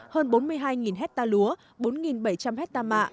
hơn bốn mươi hai hecta lúa bốn bảy trăm linh hecta mạ